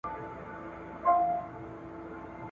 لېونوته په کار نه دي تعبیرونه ,